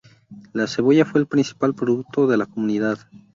La cebolla fue el principal producto de la comunidad.